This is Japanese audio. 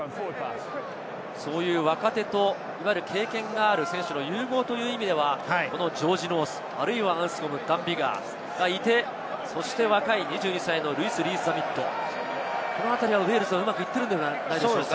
若手と経験がある選手の融合という意味ではジョージ・ノース、アンスコム、ダン・ビガーがいて、そして若い２２歳のルイス・リース＝ザミット、このあたりはウェールズはうまくいっているんじゃないでしょうか。